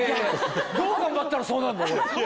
どう頑張ったらそうなるの？